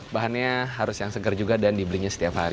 bahannya harus yang segar juga dan dibelinya setiap hari